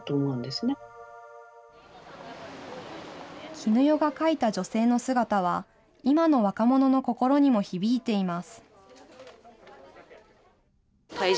絹代が描いた女性の姿は、今の若者の心にも響いています。